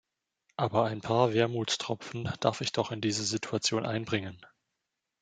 Aber ein paar Wermutstropfen darf ich doch in diese Situation einbringen!